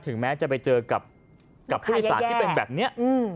ถึงแม้จะไปเจอกับผู้อิสระที่เป็นแบบเนี้ย